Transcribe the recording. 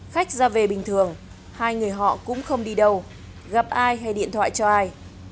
khách ra về bình thường hai người họ cũng không đi đâu gặp ai hay điện thoại cho ai